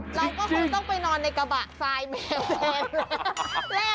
เราก็คงต้องไปนอนในกระบะทรายแมวแทน